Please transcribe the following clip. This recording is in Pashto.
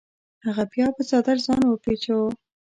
هغې بیا په څادر ځان وپیچوه.